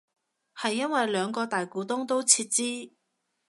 係因為兩個大股東都撤資